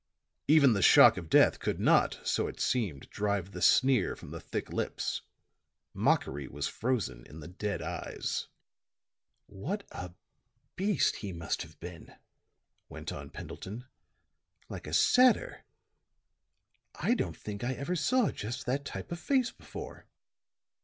Even the shock of death could not, so it seemed, drive the sneer from the thick lips; mockery was frozen in the dead eyes. "What a beast he must have been," went on Pendleton. "Like a satyr. I don't think I ever saw just that type of face before."